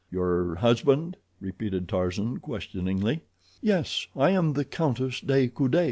"Your husband?" repeated Tarzan questioningly. "Yes. I am the Countess de Coude."